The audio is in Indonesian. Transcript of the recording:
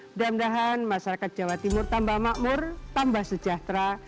mudah mudahan masyarakat jawa timur tambah makmur tambah sejahtera